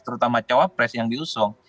terutama cawapres yang diusung